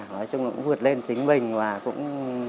nói chung là cũng vượt lên chính mình và cũng